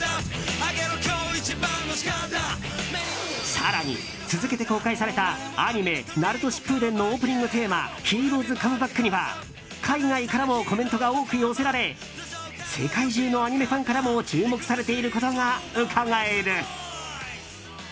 更に、続けて公開されたアニメ「ＮＡＲＵＴＯ‐ナルト‐疾風伝」のオープニングテーマ「Ｈｅｒｏ’ｓＣｏｍｅＢａｃｋ！！」には海外からもコメントが多く寄せられ世界中のアニメファンからも注目されていることがうかがえる。